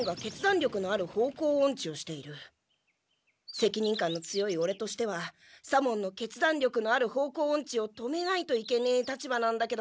せきにん感の強いオレとしては左門の決断力のある方向オンチを止めないといけねえ立場なんだけど。